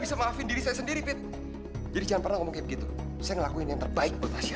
sampai jumpa di video selanjutnya